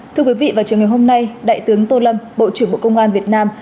thưa quý vị và chương trình hôm nay đại tướng tô lâm bộ trưởng bộ công an việt nam